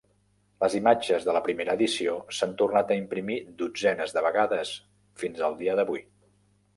Les imatges de la primera edició s'han tornat a imprimir dotzenes de vegades fins el dia d'avui.